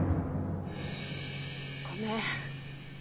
ごめん。